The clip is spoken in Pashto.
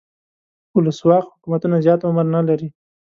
ولسواک حکومتونه زیات عمر نه لري.